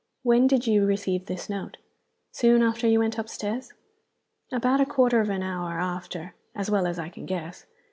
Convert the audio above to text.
When did you receive this note? Soon after you went upstairs?" "About a quarter of an hour after, as well as I can guess."